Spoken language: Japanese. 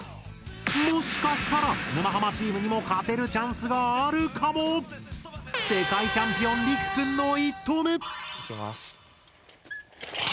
もしかしたら沼ハマチームにも勝てるチャンスがあるかも⁉世界チャンピオンりくくんの１投目！いきます。